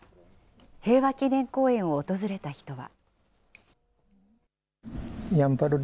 平和祈念公園を訪れた人は。